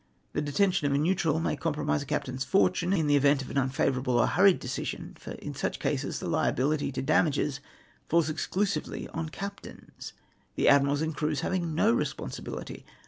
The detention of a neutral may compromise a captain's fortune in the event of an unfavourable or hurried decision, for in such cases the liabihty to damages foils exclusively on captains, the admirals and crews having no responsibihty.